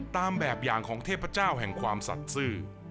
ตามแบบอย่างของเทพเจ้าแห่งความศักดิ์ซื่อ